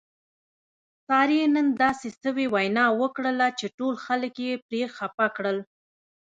سارې نن داسې سوې وینا وکړله چې ټول خلک یې پرې خپه کړل.